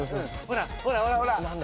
ほらほらほらっ。